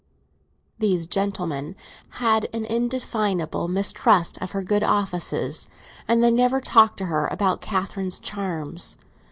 These gentlemen had an indefinable mistrust of her good offices, and they never talked to her about Catherine's charms.